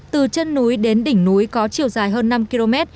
từ chân núi đến đỉnh núi có chiều dài hơn năm km